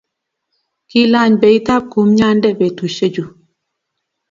kilany beitab kumyande betushechu